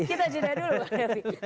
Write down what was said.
kita jeda dulu bang refri